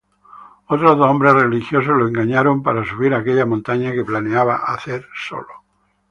Otros dos hombres religiosos lo engañaron para subir aquella montaña que planeaba hacer solo.